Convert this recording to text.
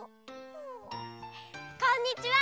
こんにちは！